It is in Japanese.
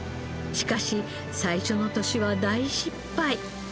しかし最初の年は大失敗。